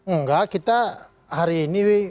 enggak kita hari ini